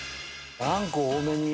あんこ多めに。